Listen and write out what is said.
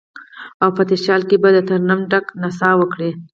او په تشیال کې به، دترنم ډکه نڅا وکړي